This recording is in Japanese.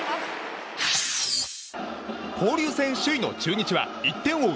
交流戦首位の中日は１点を追う